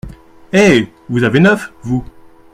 Eh ! vous avez neuf, vous !